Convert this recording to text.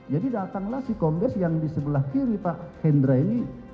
jadi datanglah si kongres yang di sebelah kiri pak hendra ini